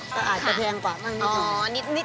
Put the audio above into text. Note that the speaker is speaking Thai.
ก็อาจจะแพงกว่ามากนิดหน่อย